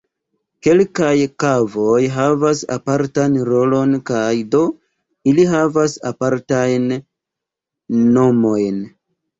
Kelkaj kavoj havas apartan rolon kaj do ili havas apartajn nomojn.